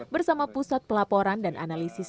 bersama pusat pelayanan dan pembangunan